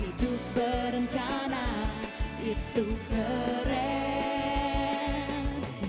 hidup berencana itu keren